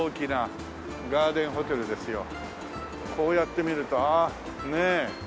こうやって見るとああねえ。